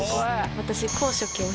私。